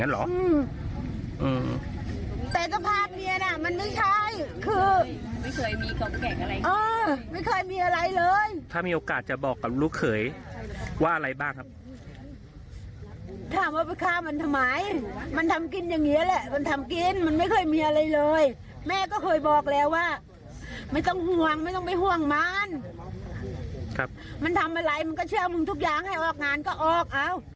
มันทำอะไรมันก็เชื่อมึงทุกอย่างให้ออกงานก็ออก